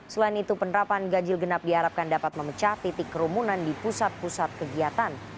selain itu penerapan ganjil genap diharapkan dapat memecah titik kerumunan di pusat pusat kegiatan